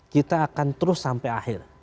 kita akan terus sampai akhir